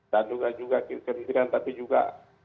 dan juga juga kementerian tapi juga